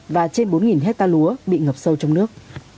và trên bốn hectare lúa bị ngập sâu trong nước